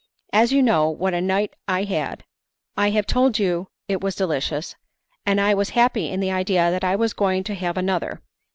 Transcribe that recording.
You know what a night I had; I have told you it was delicious, and I was happy in the idea that I was going to have another.